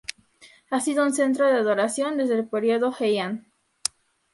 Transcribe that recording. Ha sido un centro de adoración desde el período Heian.